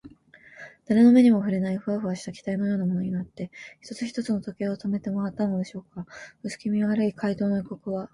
だれの目にもふれない、フワフワした気体のようなものになって、一つ一つ時計を止めてまわったのでしょうか。うすきみの悪い怪盗の予告は、